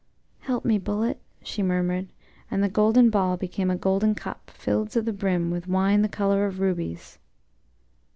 "Help me, bullet!" she murmured, and the golden ball became a golden cup, filled to the brim with wine the colour of rubies.